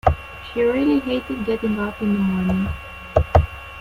She really hated getting up in the morning